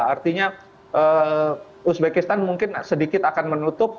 artinya uzbekistan mungkin sedikit akan menutup